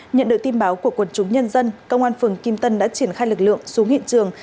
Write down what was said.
nhận được tin báo của quần chúng nhân dân công an phường kim tân đã triển khai lực lượng xuống hiện trường